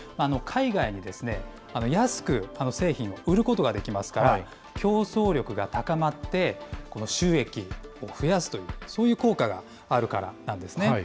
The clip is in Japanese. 海外に安く製品を売ることができますから、競争力が高まって、収益を増やすという、そういう効果があるからなんですね。